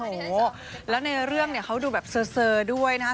โหแล้วในเรื่องเขาดูแบบเสอด้วยนะ